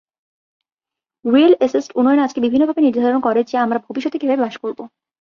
Real estate উন্নয়ন আজকে বিভিন্নভাবে নির্ধারণ করে যে আমরা ভবিষ্যতে কীভাবে বাস করব।